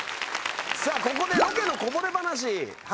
さあここでロケのこぼれ話。